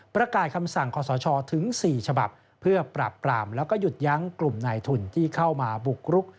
ประกาศคำสั่งขอสชถึง๔ฉบับเพื่อปราบปรามแล้วก็หยุดยั้งกลุ่มนายทุนที่เข้ามาบุกรุก